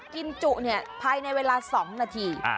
กินจุเนี้ยภายในเวลาสองนาทีอ่า